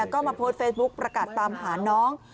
ก็มาโพสต์เฟซบุ๊คประกาศตามหาน้อง